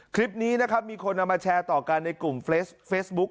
คลิปนี้นะครับมีคนเอามาแชร์ต่อกันในกลุ่มเฟซบุ๊ค